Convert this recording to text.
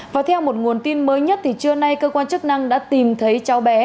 và theo một nguồn tin mới nhất thì trưa nay cơ quan chức năng đã tìm thấy cháu bé